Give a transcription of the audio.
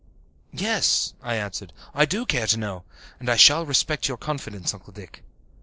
"Yes," I answered, "I do care to know. And I shall respect your confidence, Uncle Dick."